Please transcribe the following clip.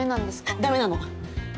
ダメなの。